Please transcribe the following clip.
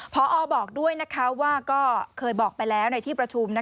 พอบอกด้วยว่าก็เคยบอกไปแล้วในที่ประชุม